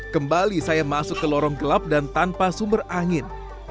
kembali saya masuk ke lorong gelap dan tanpa sumber angin